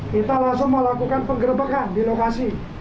kita langsung melakukan penggerbekan di lokasi